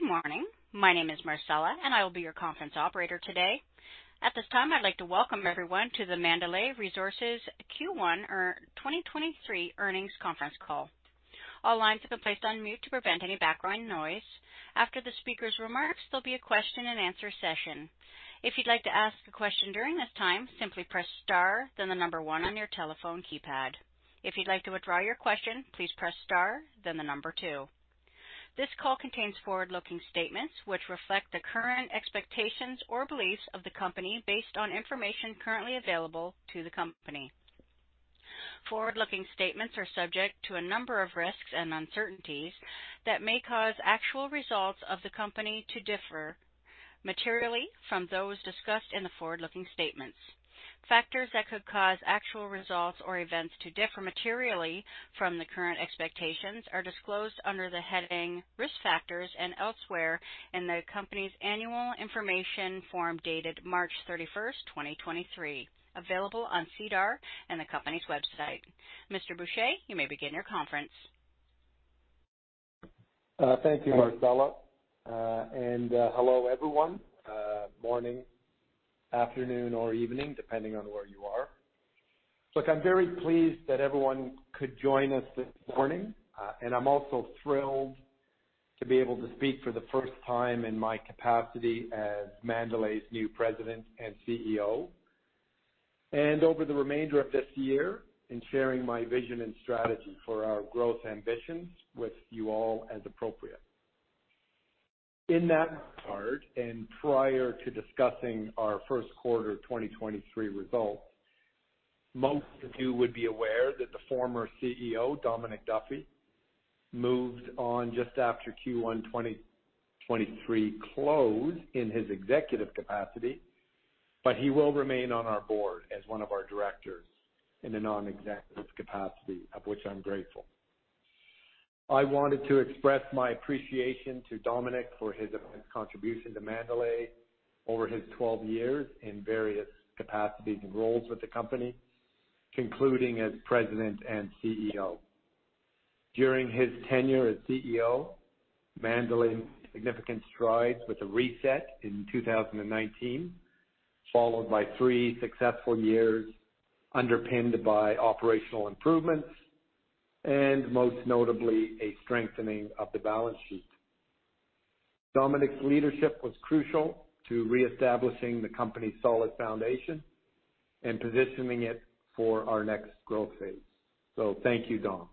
Good morning. My name is Marcella, and I will be your conference operator today. At this time, I'd like to welcome everyone to the Mandalay Resources Q1 2023 Earnings Conference Call. All lines have been placed on mute to prevent any background noise. After the speaker's remarks, there'll be a question and answer session. If you'd like to ask a question during this time, simply press star, then the number one on your telephone keypad. If you'd like to withdraw your question, please press star then the number two. This call contains forward-looking statements which reflect the current expectations or beliefs of the company based on information currently available to the company. Forward-looking statements are subject to a number of risks and uncertainties that may cause actual results of the company to differ materially from those discussed in the forward-looking statements. Factors that could cause actual results or events to differ materially from the current expectations are disclosed under the heading Risk Factors and elsewhere in th e company's annual information form dated March 31st, 2023, available on SEDAR and the company's website. Mr. Bourchier, you may begin your conference. Thank you, Marcella. Hello, everyone. Morning, afternoon, or evening, depending on where you are. Look, I'm very pleased that everyone could join us this morning, and I'm also thrilled to be able to speak for the first time in my capacity as Mandalay's new President and CEO. Over the remainder of this year in sharing my vision and strategy for our growth ambitions with you all as appropriate. In that regard, and prior to discussing our first quarter 2023 results, most of you would be aware that the former CEO, Dominic Duffy, moved on just after Q1 2023 close in his executive capacity, but he will remain on our board as one of our directors in a non-executive capacity, of which I'm grateful. I wanted to express my appreciation to Dominic for his contribution to Mandalay over his 12 years in various capacities and roles with the company, concluding as President and CEO. During his tenure as CEO, Mandalay made significant strides with a reset in 2019, followed by three successful years underpinned by operational improvements and most notably, a strengthening of the balance sheet. Dominic's leadership was crucial to reestablishing the company's solid foundation and positioning it for our next growth phase. Thank you, Dom.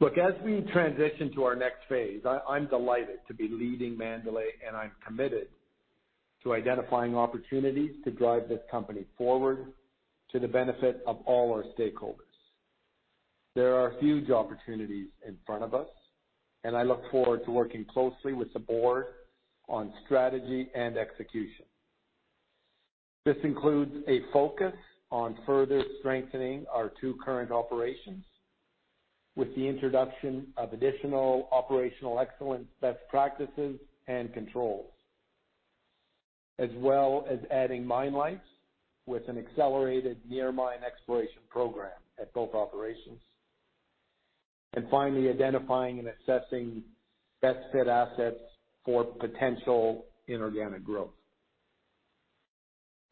Look, as we transition to our next phase, I'm delighted to be leading Mandalay, and I'm committed to identifying opportunities to drive this company forward to the benefit of all our stakeholders. There are huge opportunities in front of us, and I look forward to working closely with the board on strategy and execution. This includes a focus on further strengthening our two current operations with the introduction of additional operational excellence, best practices and controls, as well as adding mine life with an accelerated near mine exploration program at both operations. Finally identifying and assessing best fit assets for potential inorganic growth.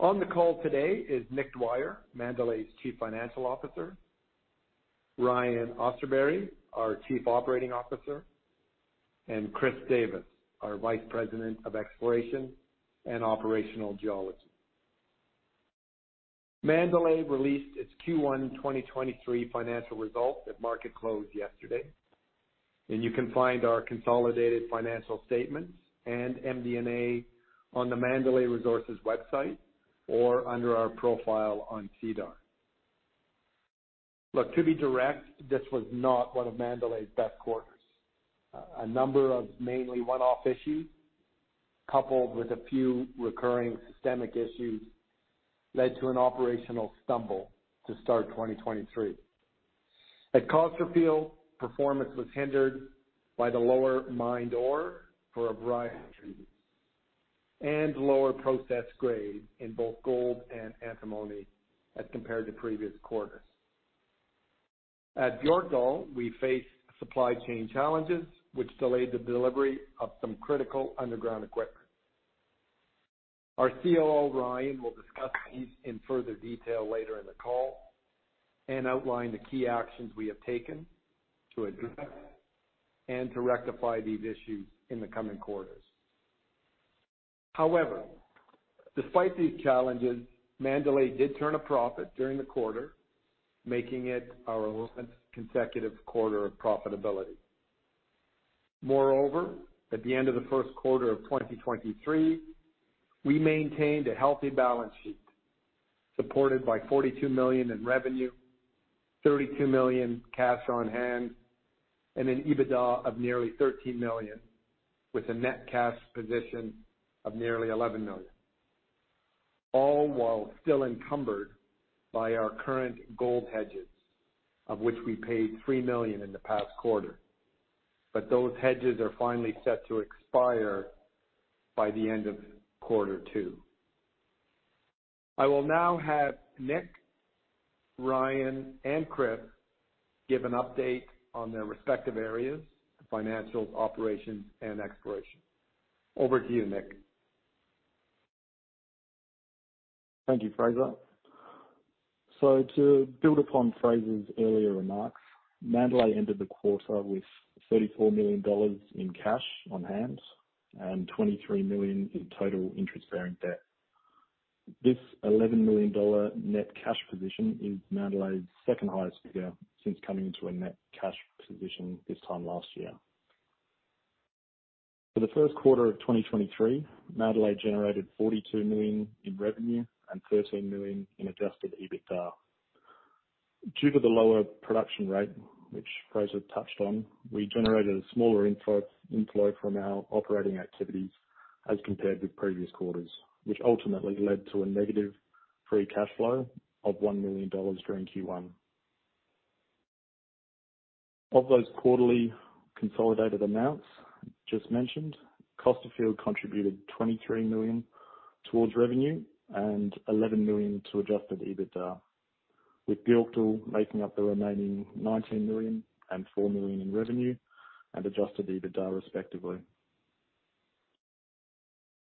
On the call today is Nick Dwyer, Mandalay's Chief Financial Officer, Ryan Austerberry, our Chief Operating Officer, and Chris Davis, our Vice President of Exploration and Operational Geology. Mandalay released its Q1 2023 financial results at market close yesterday. You can find our consolidated financial statements and MD&A on the Mandalay Resources website or under our profile on SEDAR. Look, to be direct, this was not one of Mandalay's best quarters. A number of mainly one-off issues, coupled with a few recurring systemic issues, led to an operational stumble to start 2023. At Costerfield, performance was hindered by the lower mined ore for a variety of reasons and lower processed grade in both gold and antimony as compared to previous quarters. At Björkdal, we faced supply chain challenges which delayed the delivery of some critical underground equipment. Our COO, Ryan, will discuss these in further detail later in the call and outline the key actions we have taken to address and to rectify these issues in the coming quarters. However, despite these challenges, Mandalay did turn a profit during the quarter, making it our 11th consecutive quarter of profitability. Moreover, at the end of the first quarter of 2023, we maintained a healthy balance sheet, supported by $42 million in revenue, $32 million cash on hand, and an EBITDA of nearly $13 million, with a net cash position of nearly $11 million. All while still encumbered by our current gold hedges, of which we paid $3 million in the past quarter. Those hedges are finally set to expire by the end of quarter two. I will now have Nick, Ryan and Chris give an update on their respective areas, financials, operations and exploration. Over to you, Nick. Thank you, Frazer. To build upon Frazer's earlier remarks, Mandalay ended the quarter with $34 million in cash on hand and $23 million in total interest-bearing debt. This $11 million net cash position is Mandalay's second highest figure since coming to a net cash position this time last year. For the first quarter of 2023, Mandalay generated $42 million in revenue and $13 million in adjusted EBITDA. Due to the lower production rate, which Frazer touched on, we generated a smaller inflow from our operating activities as compared with previous quarters, which ultimately led to a negative free cash flow of $1 million during Q1. Of those quarterly consolidated amounts just mentioned, Costerfield contributed $23 million towards revenue and $11 million to adjusted EBITDA, with Björkdal making up the remaining $19 million and $4 million in revenue and adjusted EBITDA, respectively.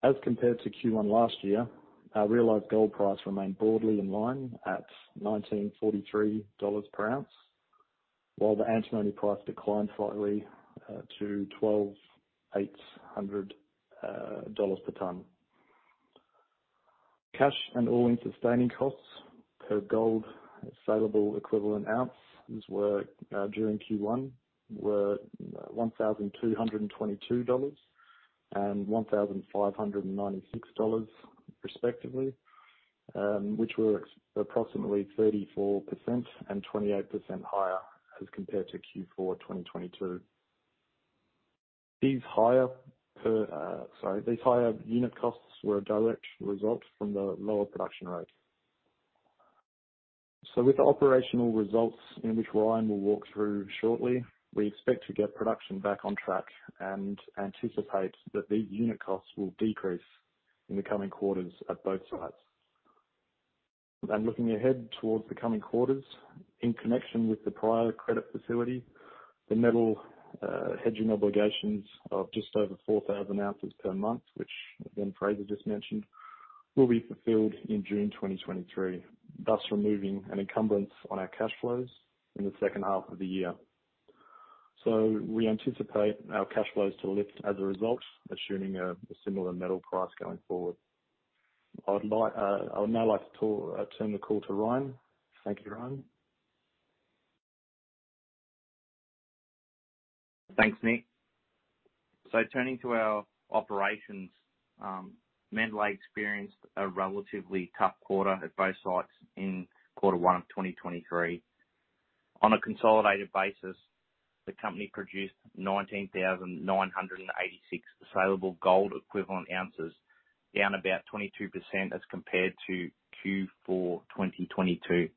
As compared to Q1 last year, our realized gold price remained broadly in line at $1,943 per ounce, while the antimony price declined slightly to $12,800 per ton. Cash and all-in sustaining costs per gold saleable equivalent ounces were during Q1, were $1,222 and $1,596 respectively, which were approximately 34% and 28% higher as compared to Q4 2022. Sorry, these higher unit costs were a direct result from the lower production rate. With the operational results in which Ryan will walk through shortly, we expect to get production back on track and anticipate that these unit costs will decrease in the coming quarters at both sites. Looking ahead towards the coming quarters, in connection with the prior credit facility, the metal, hedging obligations of just over 4,000 ounces per month, which again, Fraser just mentioned, will be fulfilled in June 2023, thus removing an encumbrance on our cash flows in the second half of the year. We anticipate our cash flows to lift as a result, assuming a similar metal price going forward. I would now like to turn the call to Ryan. Thank you, Ryan. Thanks, Nick. Turning to our operations, Mandalay experienced a relatively tough quarter at both sites in quarter one of 2023. On a consolidated basis, the company produced 19,986 saleable gold equivalent ounces, down about 22% as compared to Q4 2022.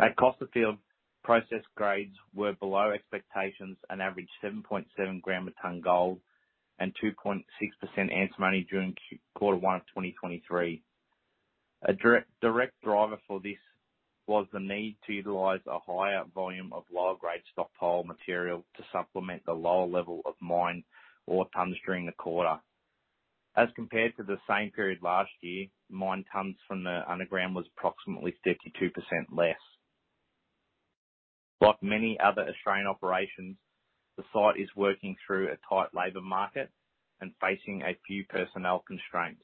At Costerfield, processed grades were below expectations, an average 7.7 gram per ton gold and 2.6% antimony during quarter one of 2023. A direct driver for this was the need to utilize a higher volume of lower grade stockpile material to supplement the lower level of mine or tons during the quarter. As compared to the same period last year, mine tons from the underground was approximately 52% less. Like many other Australian operations, the site is working through a tight labor market and facing a few personnel constraints.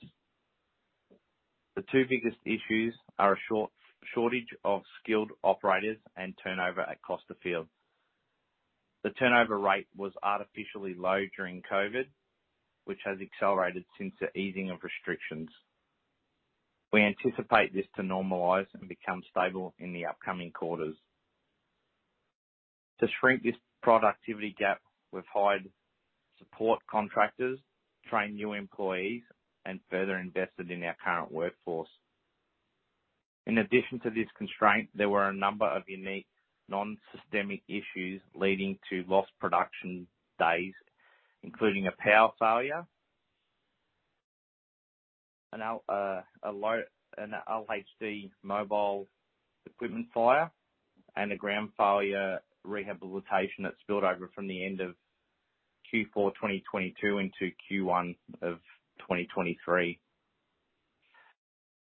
The two biggest issues are a shortage of skilled operators and turnover at Costerfield. The turnover rate was artificially low during COVID, which has accelerated since the easing of restrictions. We anticipate this to normalize and become stable in the upcoming quarters. To shrink this productivity gap, we've hired support contractors, trained new employees, and further invested in our current workforce. In addition to this constraint, there were a number of unique non-systemic issues leading to lost production days, including a power failure, an LHD mobile equipment fire, and a ground failure rehabilitation that spilled over from the end of Q4 2022 into Q1 of 2023.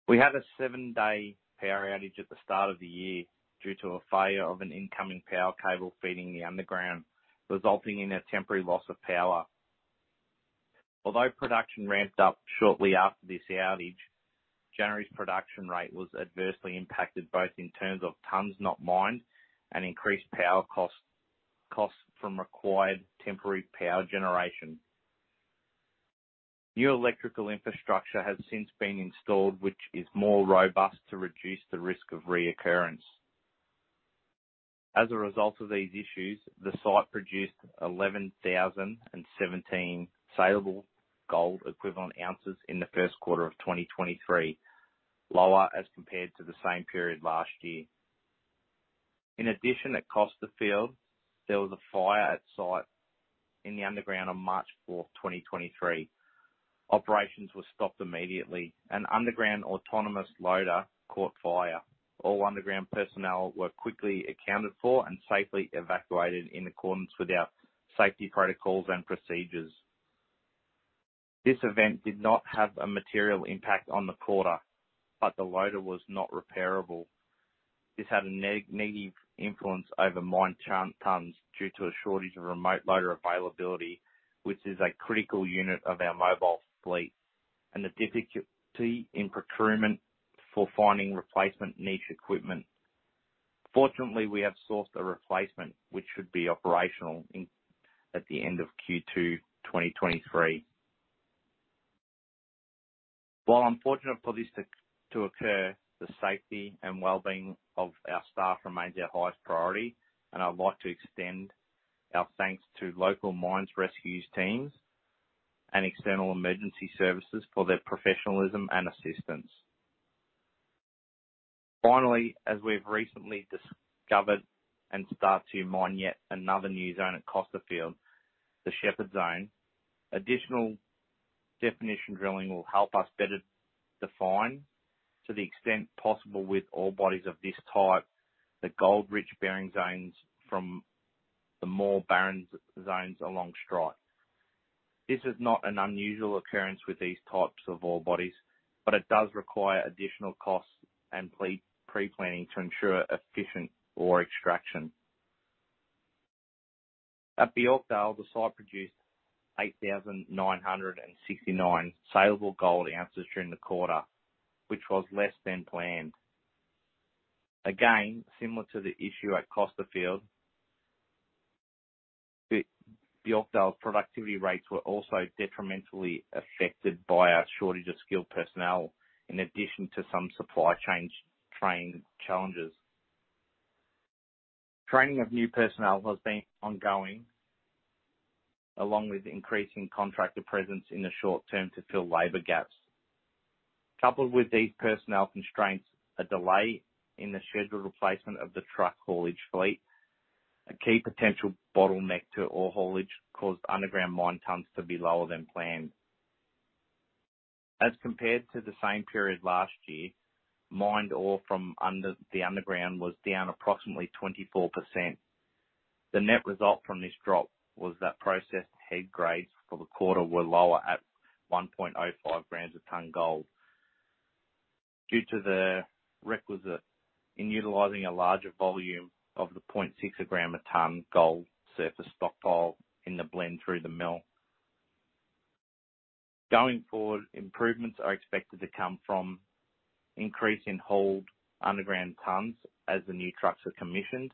We had a 7-day power outage at the start of the year due to a failure of an incoming power cable feeding the underground, resulting in a temporary loss of power. Although production ramped up shortly after this outage, January's production rate was adversely impacted both in terms of tons not mined and increased power costs from required temporary power generation. New electrical infrastructure has since been installed, which is more robust to reduce the risk of reoccurrence. As a result of these issues, the site produced 11,017 saleable gold equivalent ounces in the first quarter of 2023, lower as compared to the same period last year. At Costerfield, there was a fire at site in the underground on March 4th, 2023. Operations were stopped immediately. An underground autonomous loader caught fire. All underground personnel were quickly accounted for and safely evacuated in accordance with our safety protocols and procedures. This event did not have a material impact on the quarter, but the loader was not repairable. This had a negative influence over mine tons due to a shortage of remote loader availability, which is a critical unit of our mobile fleet, and the difficulty in procurement for finding replacement niche equipment. Fortunately, we have sourced a replacement which should be operational in, at the end of Q2 2023. While unfortunate for this to occur, the safety and well-being of our staff remains our highest priority, and I'd like to extend our thanks to local mines rescues teams and external emergency services for their professionalism and assistance. Finally, as we've recently discovered and start to mine yet another new zone at Costerfield, the Shepherd Zone, additional definition drilling will help us better define, to the extent possible with all bodies of this type, the gold rich bearing zones from the more barren zones along strike. This is not an unusual occurrence with these types of ore bodies, but it does require additional costs and pre-planning to ensure efficient ore extraction. At Björkdal, the site produced 8,969 scalable gold ounces during the quarter, which was less than planned. Again, similar to the issue at Costerfield, Björkdal productivity rates were also detrimentally affected by our shortage of skilled personnel, in addition to some supply chain challenges. Training of new personnel has been ongoing, along with increasing contractor presence in the short term to fill labor gaps. Coupled with these personnel constraints, a delay in the scheduled replacement of the truck haulage fleet, a key potential bottleneck to ore haulage, caused underground mine tons to be lower than planned. As compared to the same period last year, mined ore from the underground was down approximately 24%. The net result from this drop was that processed head grades for the quarter were lower at 1.05 grams of ton gold. Due to the requisite in utilizing a larger volume of the 0.6 gram a ton gold surface stockpile in the blend through the mill. Going forward, improvements are expected to come from increase in hauled underground tons as the new trucks are commissioned.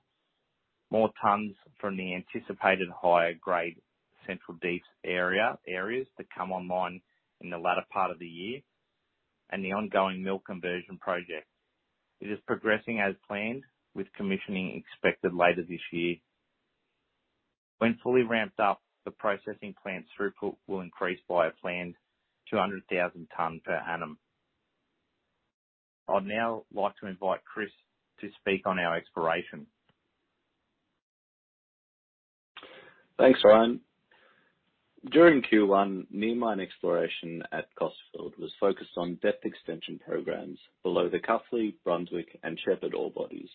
More tons from the anticipated higher grade central deeps area, areas to come online in the latter part of the year and the ongoing mill conversion project. It is progressing as planned, with commissioning expected later this year. When fully ramped up, the processing plant throughput will increase by a planned 200,000 tonne per annum. I'd now like to invite Chris to speak on our exploration. Thanks, Ryan. During Q1, near mine exploration at Costerfield was focused on depth extension programs below the Cuffley, Brunswick and Shepherd ore bodies.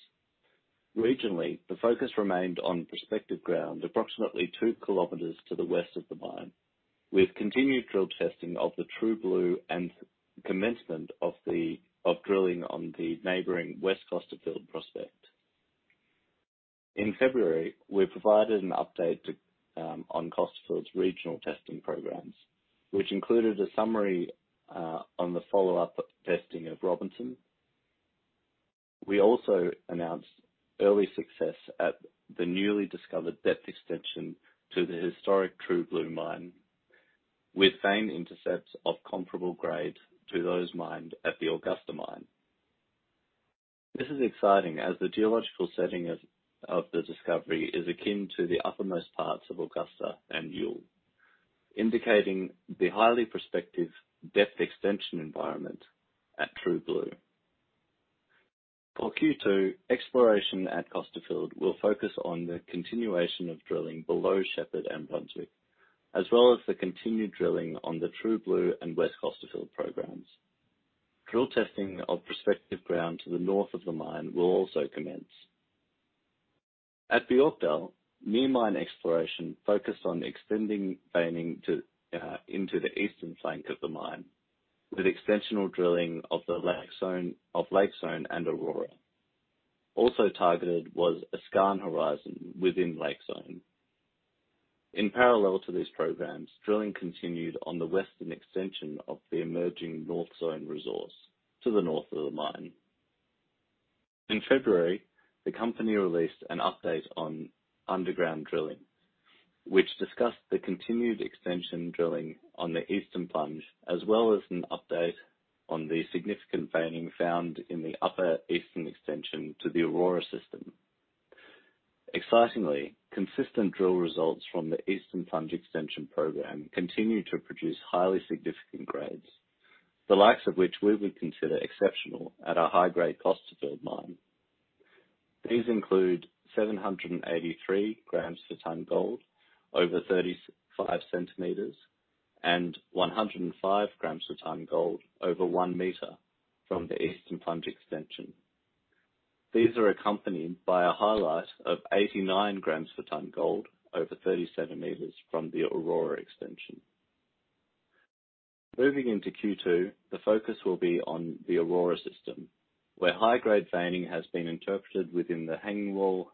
Regionally, the focus remained on prospective ground approximately 2 km to the west of the mine, with continued drill testing of the True Blue and commencement of drilling on the neighboring West Costerfield prospect. In February, we provided an update on Costerfield's regional testing programs, which included a summary on the follow-up testing of Robinson. We also announced early success at the newly discovered depth extension to the historic True Blue mine, with vein intercepts of comparable grade to those mined at the Augusta mine. This is exciting as the geological setting of the discovery is akin to the uppermost parts of Augusta and Youle, indicating the highly prospective depth extension environment at True Blue. For Q2, exploration at Costerfield will focus on the continuation of drilling below Shepherd and Brunswick, as well as the continued drilling on the True Blue and West Costerfield programs. Drill testing of prospective ground to the north of the mine will also commence. At Björkdal, near mine exploration focused on extending veining into the eastern flank of the mine, with extensional drilling of the Lake Zone and Aurora. Also targeted was a skarn horizon within Lake Zone. In parallel to these programs, drilling continued on the western extension of the emerging North Zone resource to the north of the mine. In February, the company released an update on underground drilling, which discussed the continued extension drilling on the Eastern Plunge, as well as an update on the significant veining found in the upper Eastern Extension to the Aurora system. Excitingly, consistent drill results from the Eastern Plunge Extension program continue to produce highly significant grades, the likes of which we would consider exceptional at our high-grade Costerfield mine. These include 783 grams per tonne gold over 35 centimeters, and 105 grams per tonne gold over 1 meter from the Eastern Plunge Extension. These are accompanied by a highlight of 89 grams per tonne gold over 30 centimeters from the Aurora Extension. Moving into Q2, the focus will be on the Aurora system, where high-grade veining has been interpreted within the Hanging Wall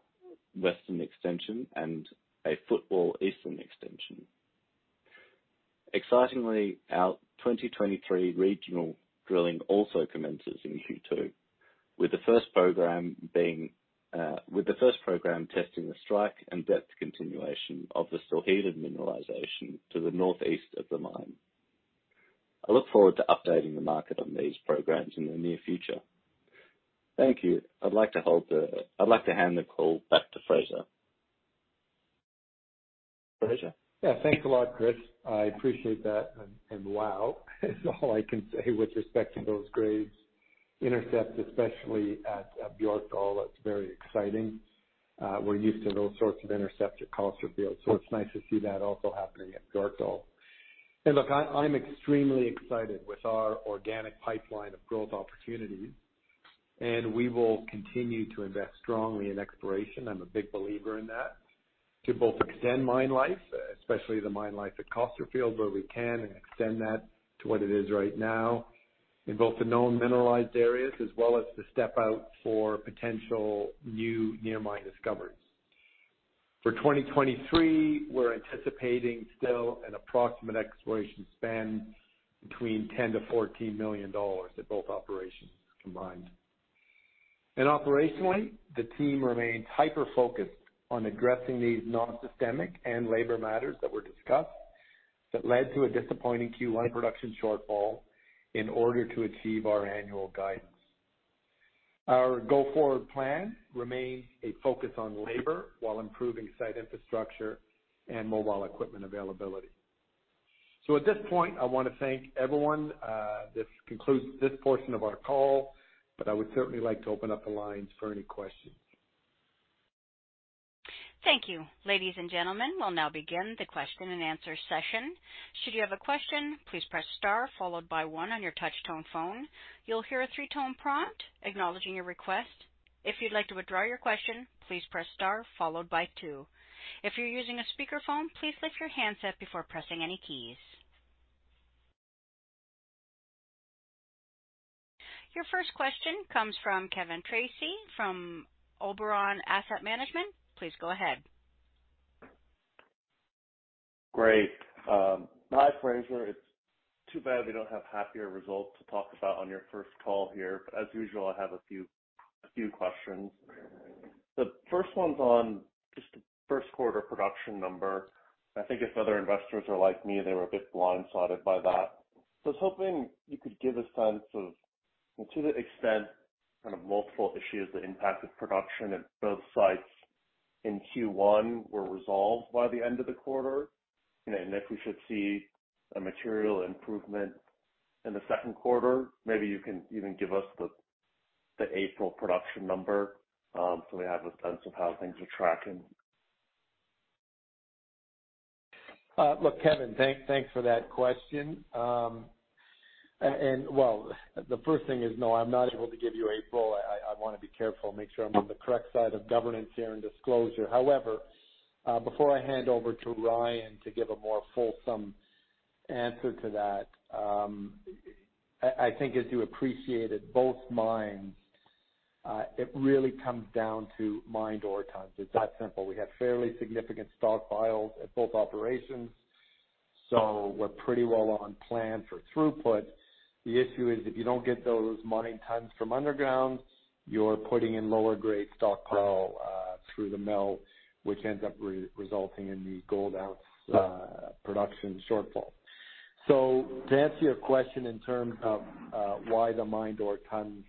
Western Extension and a Footwall Eastern Extension. Excitingly, our 2023 regional drilling also commences in Q2, with the first program testing the strike and depth continuation of the Sulfur Mineralization to the northeast of the mine. I look forward to updating the market on these programs in the near future. Thank you. I'd like to hand the call back to Frazer. Frazer? Thanks a lot, Chris. I appreciate that. Wow, is all I can say with respect to those grades. Intercept, especially at Björkdal, that's very exciting. We're used to those sorts of intercept at Costerfield, it's nice to see that also happening at Björkdal. Look, I'm extremely excited with our organic pipeline of growth opportunities, and we will continue to invest strongly in exploration. I'm a big believer in that, to both extend mine life, especially the mine life at Costerfield, where we can and extend that to what it is right now in both the known mineralized areas as well as to step out for potential new near mine discoveries. For 2023, we're anticipating still an approximate exploration spend between $10 million-$14 million at both operations combined. Operationally, the team remains hyper-focused on addressing these non-systemic and labor matters that were discussed, that led to a disappointing Q1 production shortfall in order to achieve our annual guidance. Our go-forward plan remains a focus on labor while improving site infrastructure and mobile equipment availability. At this point, I wanna thank everyone. This concludes this portion of our call, but I would certainly like to open up the lines for any questions. Thank you. Ladies and gentlemen, we'll now begin the question-and-answer session. Should you have a question, please press star followed by one on your touch tone phone. You'll hear a three-tone prompt acknowledging your request. If you'd like to withdraw your question, please press star followed by two. If you're using a speakerphone, please lift your handset before pressing any keys. Your first question comes from Kevin Tracey from Oberon Asset Management. Please go ahead. Great. Hi, Frazer. It's too bad we don't have happier results to talk about on your first call here. As usual, I have a few questions. The first one's on just the first quarter production number. I think if other investors are like me, they were a bit blindsided by that. I was hoping you could give a sense of, and to the extent, kind of multiple issues that impacted production at both sites in Q1 were resolved by the end of the quarter, and if we should see a material improvement in the second quarter. Maybe you can even give us the April production number, so we have a sense of how things are tracking. Look, Kevin, thanks for that question. Well, the first thing is, no, I'm not able to give you April. I wanna be careful, make sure I'm on the correct side of governance here and disclosure. However, before I hand over to Ryan to give a more fulsome answer to that, I think as you appreciated both mines, it really comes down to mined ore tons. It's that simple. We have fairly significant stock piles at both operations, so we're pretty well on plan for throughput. The issue is, if you don't get those mined tons from underground, you're putting in lower grade stock pile through the mill, which ends up resulting in the gold ounce production shortfall. To answer your question in terms of why the mined ore tons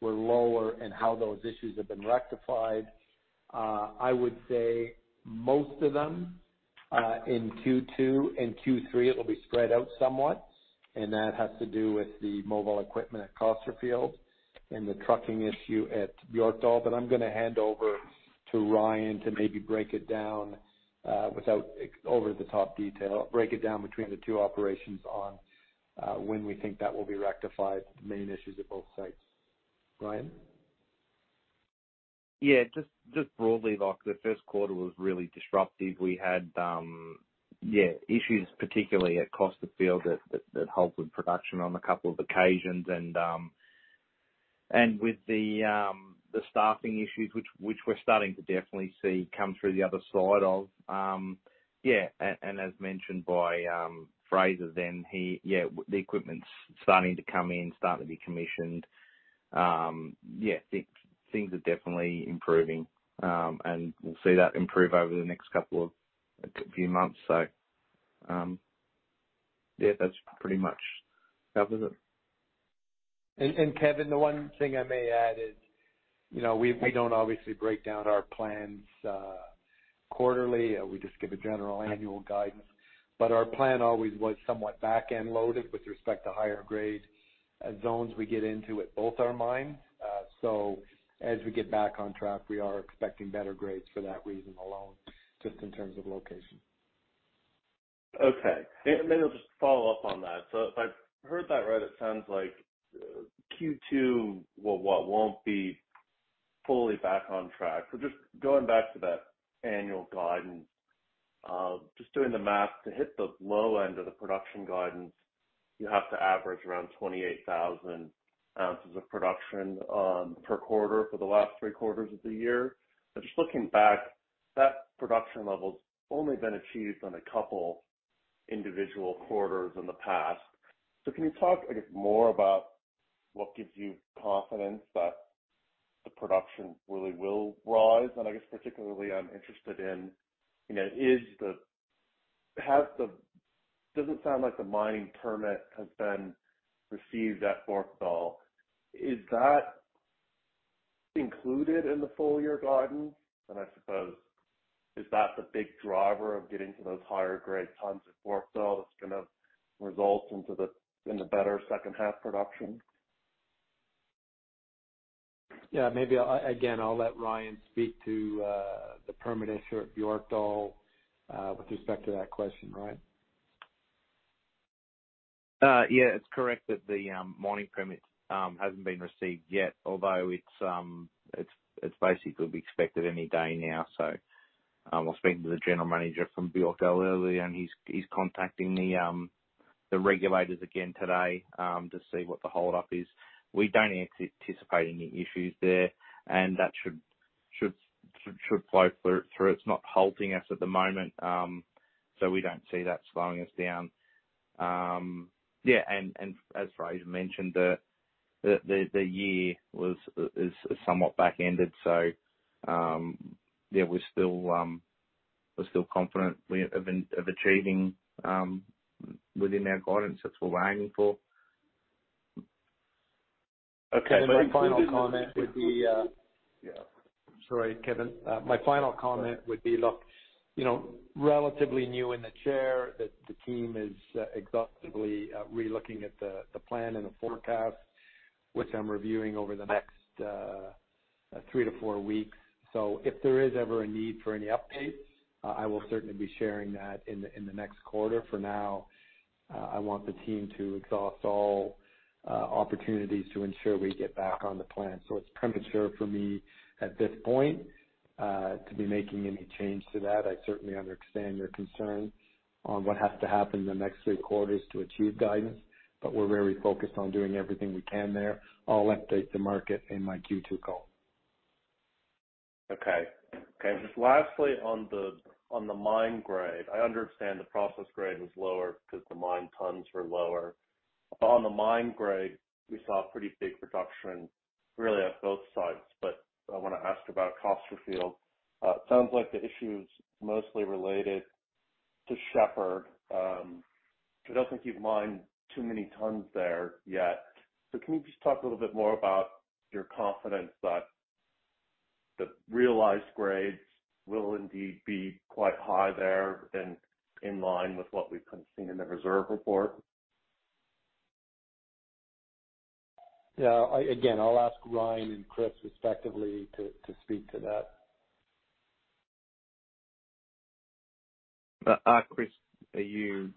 were lower and how those issues have been rectified, I would say most of them in Q2, in Q3, it'll be spread out somewhat, and that has to do with the mobile equipment at Costerfield and the trucking issue at Björkdal. I'm gonna hand over to Ryan to maybe break it down without over the top detail. Break it down between the two operations on when we think that will be rectified, the main issues at both sites. Ryan? Yeah, just broadly, like, the first quarter was really disruptive. We had, yeah, issues particularly at Costerfield that halted production on a couple of occasions. With the staffing issues which we're starting to definitely see come through the other side of, yeah. As mentioned by Fraser then he, yeah, the equipment's starting to come in, starting to be commissioned. Yeah, things are definitely improving, and we'll see that improve over the next couple of, a few months. Yeah, that's pretty much covers it. Kevin, the one thing I may add is, you know, we don't obviously break down our plans, quarterly. We just give a general annual guidance. Our plan always was somewhat back-end loaded with respect to higher grade, zones we get into at both our mines. As we get back on track, we are expecting better grades for that reason alone, just in terms of location. Okay. Maybe I'll just follow up on that. If I've heard that right, it sounds like Q2 will, won't be fully back on track. Just going back to that annual guidance, just doing the math, to hit the low end of the production guidance, you have to average around 28,000 ounces of production per quarter for the last three quarters of the year. Just looking back, that production level's only been achieved on a couple individual quarters in the past. Can you talk, I guess, more about what gives you confidence that the production really will rise? I guess particularly I'm interested in, you know, doesn't sound like the mining permit has been received at Björkdal. Is that included in the full year guidance? I suppose, is that the big driver of getting to those higher grade tons at Björkdal that's gonna result into the, in the better second half production? Yeah. Maybe I'll, again, I'll let Ryan speak to the permit issue at Björkdal, with respect to that question. Ryan? Yeah. It's correct that the mining permit hasn't been received yet, although it's basically expected any day now. I was speaking to the general manager from Björkdal earlier, and he's contacting the regulators again today to see what the hold up is. We don't anticipate any issues there, and that should flow through. It's not halting us at the moment. We don't see that slowing us down. Yeah, and as Fraser mentioned, the year was is somewhat back-ended. Yeah, we're still confident we of achieving within our guidance. That's what we're aiming for. Okay, included in the- My final comment would be. Yeah. Sorry, Kevin. My final comment would be, look, you know, relatively new in the chair, the team is exhaustively re-looking at the plan and the forecast, which I'm reviewing over the next three to four weeks. If there is ever a need for any updates, I will certainly be sharing that in the next quarter. For now, I want the team to exhaust all opportunities to ensure we get back on the plan. It's premature for me at this point to be making any change to that. I certainly understand your concern on what has to happen in the next three quarters to achieve guidance, but we're very focused on doing everything we can there. I'll update the market in my Q2 call. Okay, just lastly, on the mine grade. I understand the process grade was lower because the mine tons were lower. On the mine grade, we saw a pretty big reduction really on both sides, but I wanna ask about Costerfield. Sounds like the issue is mostly related to Shepherd. It doesn't seem you've mined too many tons there yet. Can you just talk a little bit more about your confidence that the realized grades will indeed be quite high there and in line with what we've kind of seen in the reserve report? Yeah. I, again, I'll ask Ryan and Chris respectively to speak to that. Chris, are you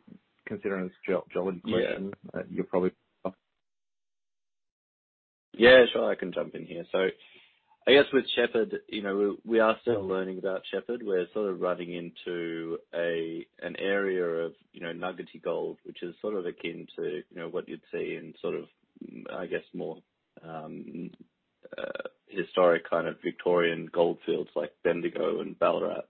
considering this a geology question? Yeah. You'll probably. Yeah, sure. I can jump in here. I guess with Shepherd, we are still learning about Shepherd. We're sort of running into an area of nuggety gold, which is sort of akin to what you'd see in sort of, I guess more, historic kind of Victorian gold fields like Bendigo and Ballarat.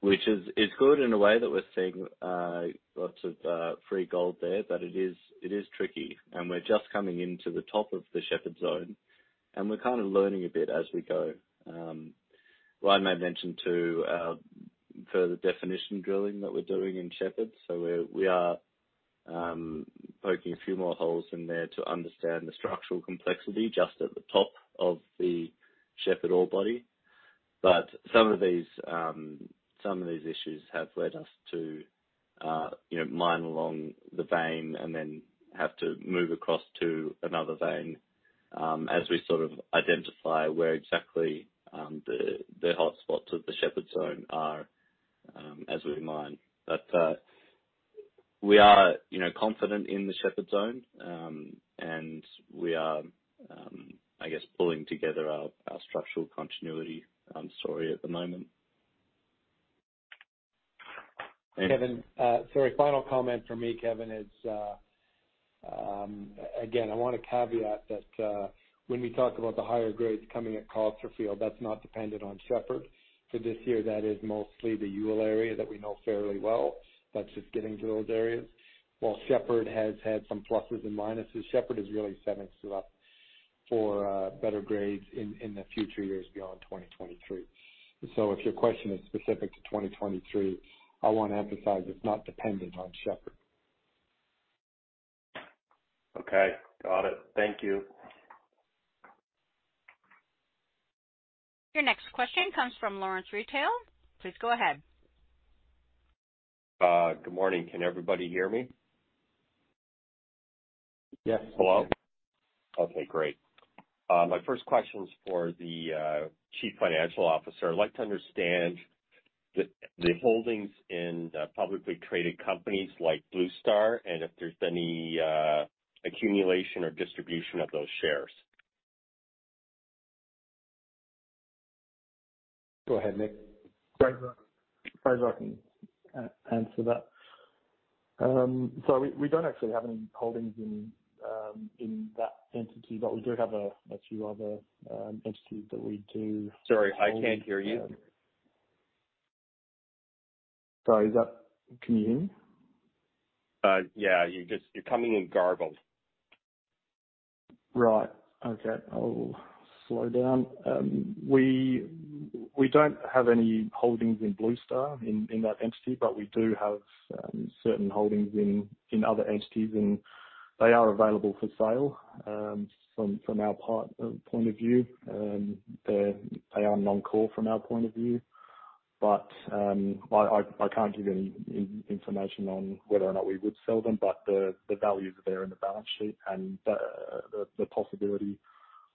Which is good in a way that we're seeing lots of free gold there. It is tricky, and we're just coming into the top of the Shepherd zone, and we're kind of learning a bit as we go. Ryan may mention too, further definition drilling that we're doing in Shepherd. We are poking a few more holes in there to understand the structural complexity just at the top of the Shepherd ore body. Some of these, some of these issues have led us to, you know, mine along the vein and then have to move across to another vein, as we sort of identify where exactly the hot spots of the Shepherd zone are as we mine. We are, you know, confident in the Shepherd zone. We are, I guess pulling together our structural continuity story at the moment. Thank you. Kevin, sorry, final comment from me, Kevin, is again, I wanna caveat that when we talk about the higher grades coming at Costerfield, that's not dependent on Shepherd. This year that is mostly the Youle area that we know fairly well. That's just getting to those areas. While Shepherd has had some pluses and minuses, Shepherd is really set up- For better grades in the future years beyond 2023. If your question is specific to 2023, I wanna emphasize it's not dependent on Shepherd. Okay, got it. Thank you. Your next question comes from Lawrence Roull. Please go ahead. Good morning. Can everybody hear me? Yes. Hello? Okay, great. My first question's for the Chief Financial Officer. I'd like to understand the holdings in publicly traded companies like Blue Star and if there's any accumulation or distribution of those shares. Go ahead, Nick. Fraser can answer that. We don't actually have any holdings in that entity, but we do have a few other entities that we. Sorry, I can't hear you. Sorry, Can you hear me? Yeah, you're just, you're coming in garbled. Right. Okay. I'll slow down. We don't have any holdings in Blue Star, in that entity, but we do have certain holdings in other entities, and they are available for sale from our part, point of view. They are non-core from our point of view. I can't give any information on whether or not we would sell them, but the values are there in the balance sheet, and the possibility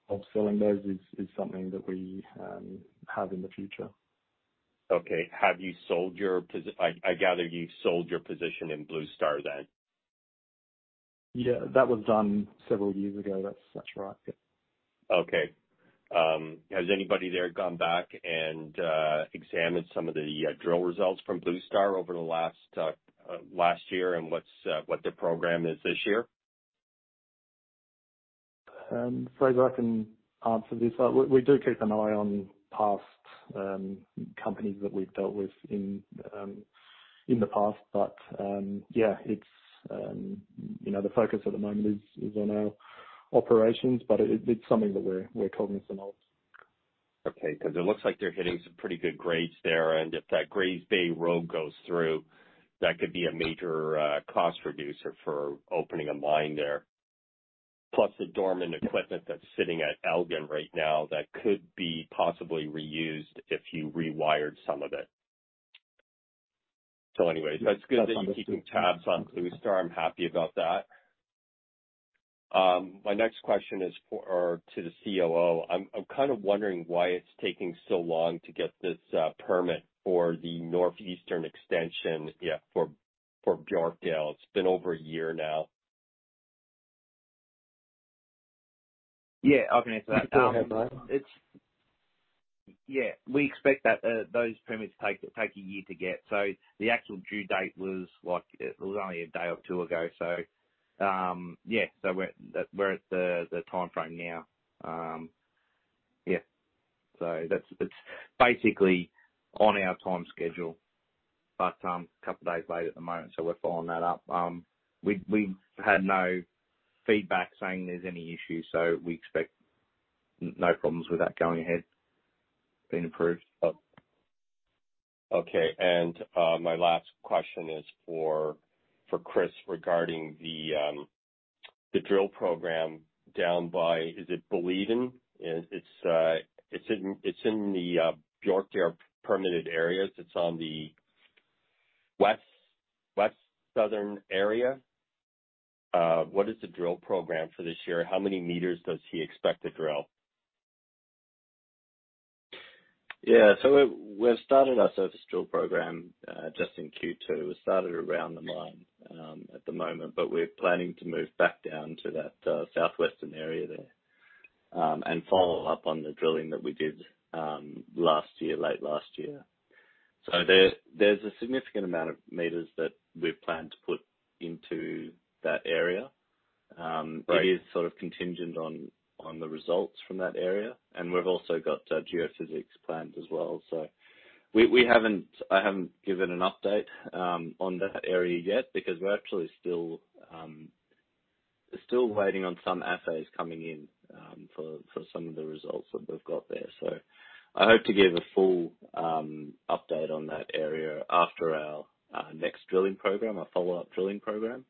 of selling those is something that we have in the future. Okay. I gather you sold your position in Blue Star then? Yeah, that was done several years ago. That's right, yeah. Okay. Has anybody there gone back and examined some of the drill results from Blue Star over the last year and what's what the program is this year? Fraser, I can answer this. We do keep an eye on past companies that we've dealt with in the past. Yeah, it's, you know, the focus at the moment is on our operations, but it's something that we're cognizant of. It looks like they're hitting some pretty good grades there, and if that Grays Bay Road goes through, that could be a major cost reducer for opening a mine there. Plus the dormant equipment that's sitting at Elgin right now that could be possibly reused if you rewired some of it. Anyways, that's good that you're keeping tabs on Blue Star. I'm happy about that. My next question is for, or to the COO. I'm kind of wondering why it's taking so long to get this permit for the northeastern extension, yeah, for Björkdal. It's been over a year now. Yeah, I can answer that. Go ahead, Ryan. It's... Yeah, we expect that, those permits take a year to get. The actual due date was, like, it was only a day or two ago, so, yeah, so we're at the timeframe now. That's, it's basically on our time schedule, but a couple days late at the moment, so we're following that up. We'd, we've had no feedback saying there's any issue, so we expect no problems with that going ahead, being approved. Okay. My last question is for Chris regarding the drill program down by, is it Boliden? It's in the Björkdal permitted areas. It's on the west southern area. What is the drill program for this year? How many meters does he expect to drill? Yeah. We've started our surface drill program just in Q2. We've started around the mine at the moment, but we're planning to move back down to that southwestern area there, and follow up on the drilling that we did last year, late last year. There's a significant amount of meters that we've planned to put into that area. Great. It is sort of contingent on the results from that area. We've also got geophysics planned as well. We haven't, I haven't given an update on that area yet because we're actually still waiting on some assays coming in for some of the results that we've got there. I hope to give a full, update on that area after our next drilling program, our follow-up drilling program.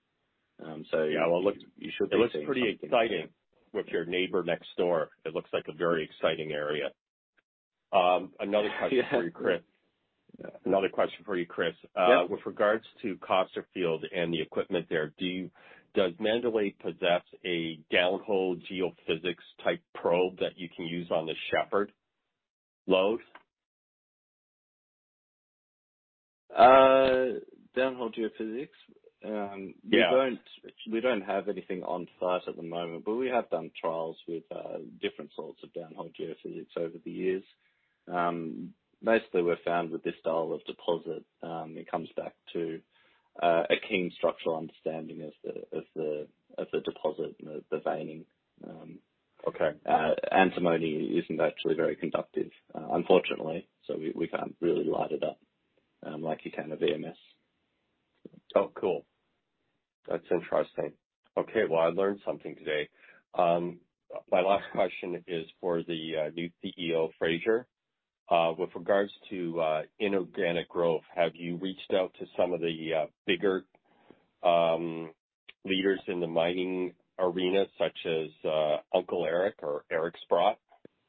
Yeah. Well, look- You should be seeing something. It looks pretty exciting with your neighbor next door. It looks like a very exciting area. Another question for you, Chris. Yeah. Another question for you, Chris. Yeah. With regards to Costerfield and the equipment there, do you, does Mandalay possess a downhole geophysics type probe that you can use on the Shepherd load? downhole geophysics? Yeah. We don't have anything on site at the moment, but we have done trials with different sorts of downhole geophysics over the years. Mostly we've found with this style of deposit, it comes back to a keen structural understanding of the deposit and the veining. Okay. Antimony isn't actually very conductive, unfortunately. We can't really light it up, like you can a VMS. Oh, cool. That's interesting. Okay, well, I learned something today. My last question is for the new CEO, Fraser. With regards to inorganic growth, have you reached out to some of the bigger leaders in the mining arena, such as Uncle Eric or Eric Sprott,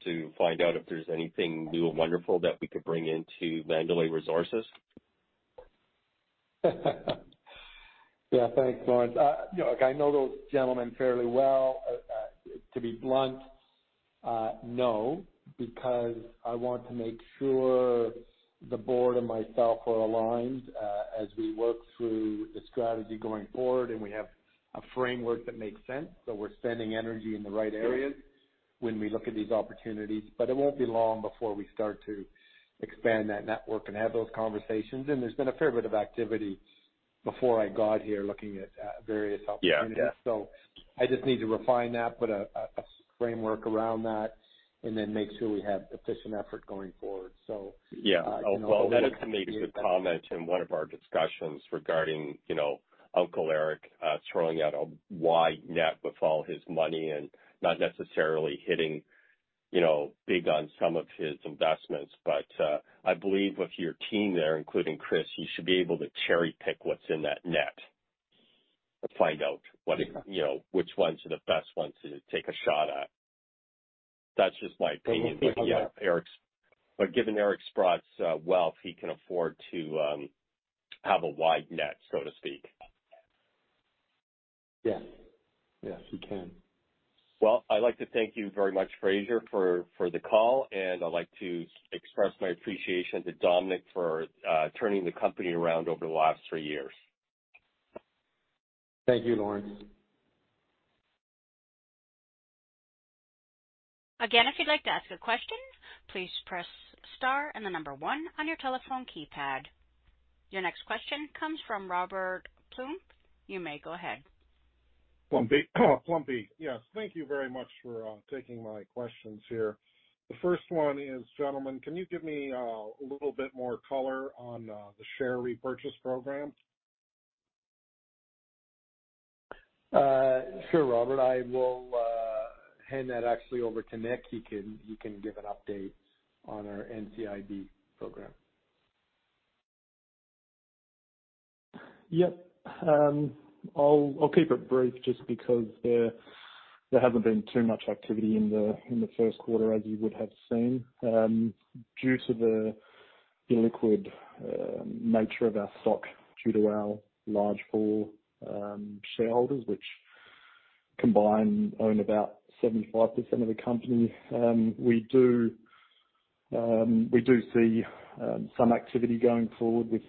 to find out if there's anything new and wonderful that we could bring into Mandalay Resources? Yeah. Thanks, Lawrence. You know, look, I know those gentlemen fairly well. To be blunt, no, because I want to make sure the board and myself are aligned, as we work through the strategy going forward, and we have a framework that makes sense, so we're spending energy in the right areas when we look at these opportunities. It won't be long before we start to expand that network and have those conversations. There's been a fair bit of activity before I got here looking at, various opportunities. Yeah. I just need to refine that, put a framework around that, and then make sure we have efficient effort going forward. You know, over the next few months. Yeah. Well, that leads me to comment in one of our discussions regarding, you know, Uncle Eric throwing out a wide net with all his money and not necessarily hitting, you know, big on some of his investments. I believe with your team there, including Chris, you should be able to cherry-pick what's in that net to find out what, you know, which ones are the best ones to take a shot at. That's just my opinion. We will do that. Yeah, given Eric Sprott's wealth, he can afford to have a wide net, so to speak. Yes. Yes, he can. Well, I'd like to thank you very much, Fraser, for the call, and I'd like to express my appreciation to Dominic for turning the company around over the last three years. Thank you, Lawrence. Again, if you'd like to ask a question, please press star and the number one on your telephone keypad. Your next question comes from Robert Plumpy. You may go ahead. Plumpy, yes. Thank you very much for taking my questions here. The first one is, gentlemen, can you give me a little bit more color on the share repurchase program? Sure, Robert. I will hand that actually over to Nick. He can give an update on our NCIB program. Yep. I'll keep it brief just because there hasn't been too much activity in the first quarter, as you would have seen, due to the illiquid nature of our stock, due to our large four shareholders which combined own about 75% of the company. We do see some activity going forward with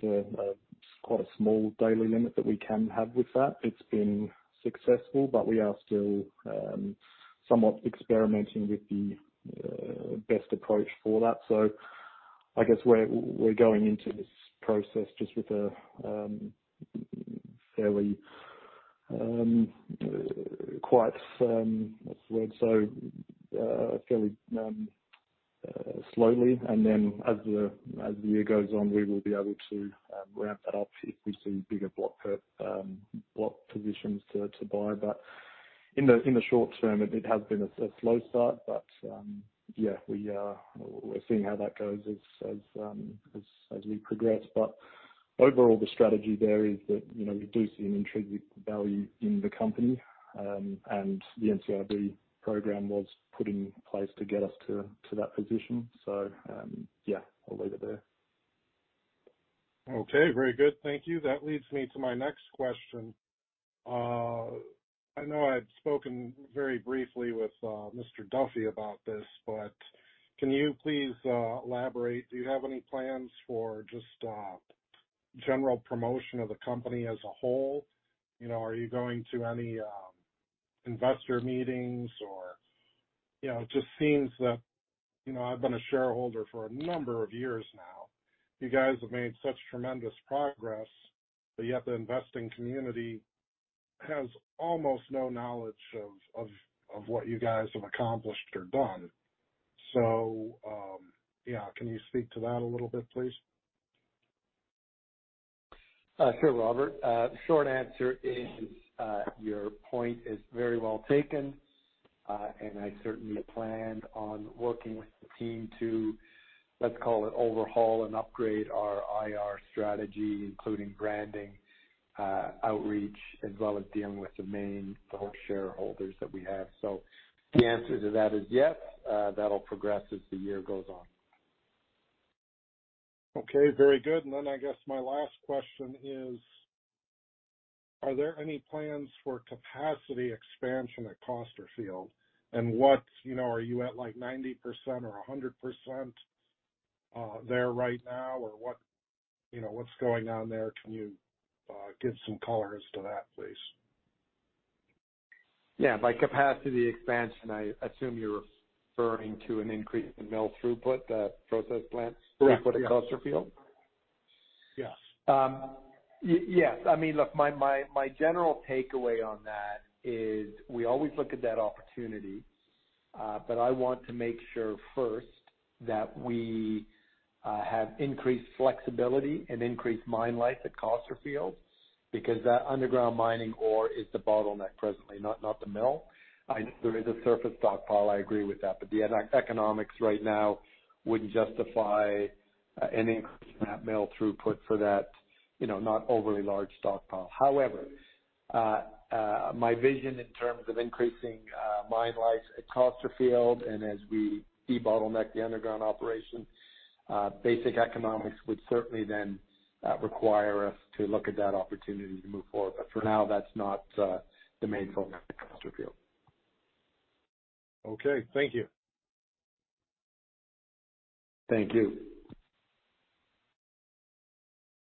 quite a small daily limit that we can have with that. It's been successful, but we are still somewhat experimenting with the best approach for that. I guess we're going into this process just with a fairly slowly. As the year goes on, we will be able to ramp that up if we see bigger block positions to buy. In the short term, it has been a slow start. Yeah, we are, we're seeing how that goes as we progress. Overall, the strategy there is that, you know, we do see an intrinsic value in the company, and the NCIB program was put in place to get us to that position. Yeah, I'll leave it there. Okay, very good. Thank you. That leads me to my next question. I know I've spoken very briefly with Mr. Duffy about this, but can you please elaborate? Do you have any plans for just general promotion of the company as a whole? You know, are you going to any investor meetings or... You know, it just seems that, you know, I've been a shareholder for a number of years now. You guys have made such tremendous progress, but yet the investing community has almost no knowledge of what you guys have accomplished or done. Yeah. Can you speak to that a little bit, please? Sure, Robert. Short answer is, your point is very well taken, I certainly planned on working with the team to, let's call it, overhaul and upgrade our IR strategy, including branding, outreach, as well as dealing with the whole shareholders that we have. The answer to that is yes, that'll progress as the year goes on. Okay, very good. I guess my last question is, are there any plans for capacity expansion at Costerfield? What, you know, are you at, like, 90% or 100% there right now? What, you know, what's going on there? Can you give some color as to that, please? Yeah. By capacity expansion, I assume you're referring to an increase in mill throughput, the process plant throughput... Yes, yes. ...at Costerfield. Yes. Yes. I mean, look, my general takeaway on that is we always look at that opportunity, but I want to make sure first that we have increased flexibility and increased mine life at Costerfield because that underground mining ore is the bottleneck presently, not the mill. I know there is a surface stockpile, I agree with that, but the eco-economics right now wouldn't justify an increase in that mill throughput for that, you know, not overly large stockpile. However, my vision in terms of increasing mine life at Costerfield and as we debottleneck the underground operation, basic economics would certainly then require us to look at that opportunity to move forward. But for now, that's not the main focus at Costerfield. Okay, thank you. Thank you.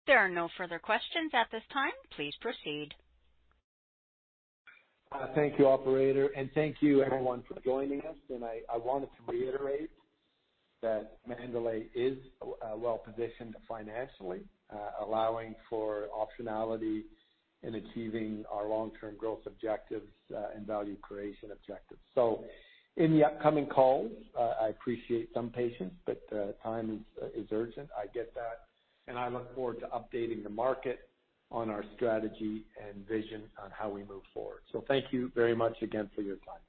There are no further questions at this time. Please proceed. Thank you, Operator. Thank you everyone for joining us. I wanted to reiterate that Mandalay is well positioned financially, allowing for optionality in achieving our long-term growth objectives, and value creation objectives. In the upcoming calls, I appreciate some patience, but time is urgent. I get that, and I look forward to updating the market on our strategy and vision on how we move forward. Thank you very much again for your time.